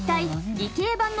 理系版の？